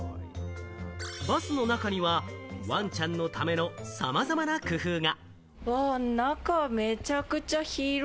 バスの中には、わんちゃんのためのさまざまな工夫が。